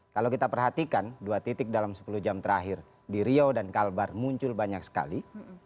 kalau kita perhatikan dua titik dalam sepuluh jam terakhir di rio dan kalbar muncul banyak sekali